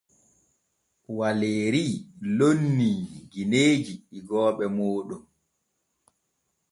Waleeri lonnii gineeji igooɓe mooɗon.